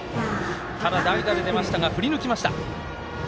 ただ、代打で出ましたが振りぬきました。